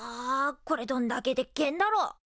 これどんだけでっけえんだろ？